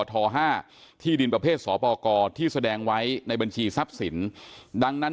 ที่ดินประเภทสปกที่แสดงไว้ในบัญชีทรัพย์สินดังนั้น